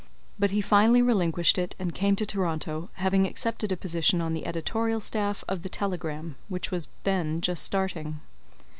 But he finally relinquished it and came to Toronto, having accepted a position on the editorial staff of the Telegram, which was then just starting.